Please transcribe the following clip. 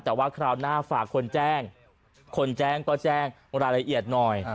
แต่ว่าคราวหน้าฝากคนแจ้งคนแจ้งก็แจ้งรายละเอียดหน่อย